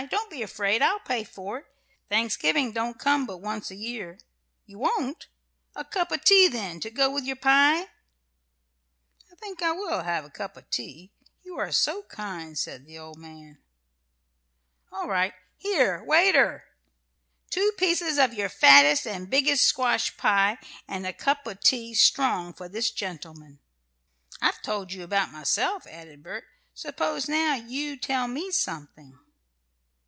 Don't be afraid: I'll pay for it. Thanksgiving don't come but once a year. You won't? A cup of tea, then, to go with your pie?" "I think I will have a cup of tea; you are so kind," said the old man. "All right! Here, waiter! Two pieces of your fattest and biggest squash pie; and a cup of tea, strong, for this gentleman." "I've told you about myself," added Bert; "suppose, now, you tell me something."